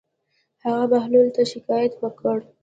هغه بهلول ته شکايت وکړ.